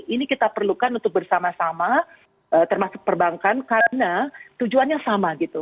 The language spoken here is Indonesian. ini kita perlukan untuk bersama sama termasuk perbankan karena tujuannya sama gitu